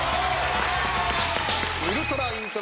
ウルトライントロ